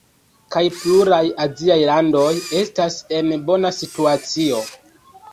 kaj pluraj aziaj landoj estas en bona situacio.